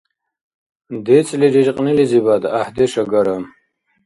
ДецӀлириркьнилизибад гӀяхӀдеш агара.